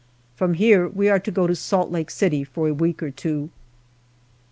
From here we are to go to Salt Lake City for a week or two.